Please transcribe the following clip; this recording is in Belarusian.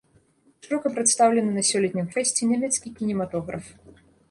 Шырока прадстаўлены на сёлетнім фэсце нямецкі кінематограф.